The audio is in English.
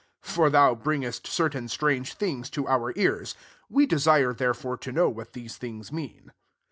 For thou bringest certain strange things to our ears: we desire therefore to know what these things mean."